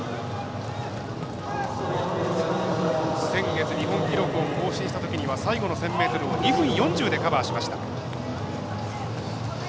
先月、日本記録を更新したときには最後の１０００ｍを２分４０でカバーしました。